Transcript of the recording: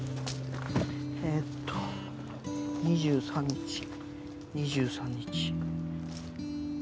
えっと２３日２３日。